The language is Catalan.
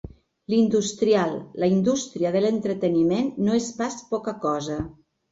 L'industrial —la indústria de l'entreteniment no és pas poca cosa.